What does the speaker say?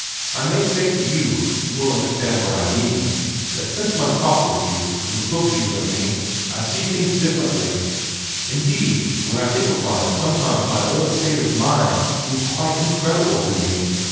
I may say to you you will understand what I mean that since my talk with you, and the books you lent me, I see many things differently. Indeed, when I think upon it sometimes my old state of mind seems quite incredible to me.